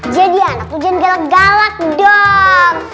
jadi anak ujian galak galak dong